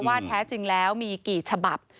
แท้จริงแล้วมีกี่ฉบับ